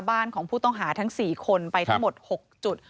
บ้านของผู้ต้องหาทั้ง๔คนไปทั้งหมด๖จุด